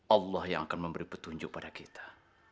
allah yang akan memberi petunjuk pada kita